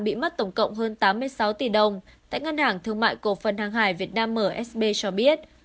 bị mất tổng cộng hơn tám mươi sáu tỷ đồng tại ngân hàng thương mại cổ phần hàng hải việt nam msb cho biết